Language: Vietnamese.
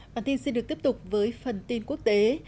bản tin sẽ được tiếp tục với phần tin quốc tế